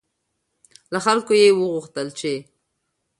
له خلکو یې وغوښتل چې